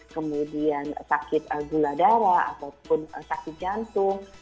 kemudian sakit gula darah ataupun sakit jantung